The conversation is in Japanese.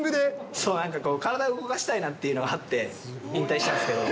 そう、なんかこう、体動かしたいなっていうのがあって引退してたんですけど。